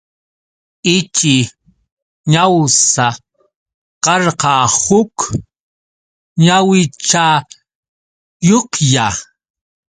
Ichi ñawsa karqa huk ñawichayuqlla.